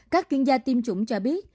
các chuyên gia tiêm chủng cho biết